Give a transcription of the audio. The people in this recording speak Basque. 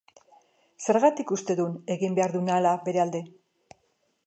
Zergatik uste dun egin behar dunala bere alde?